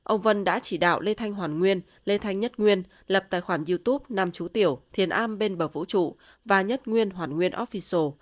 ông vân đã chỉ đạo lê thanh hoàn nguyên lê thanh nhất nguyên lập tài khoản youtube nam chú tiểu thiền a bên bờ vũ trụ và nhất nguyên hoàn nguyên offiso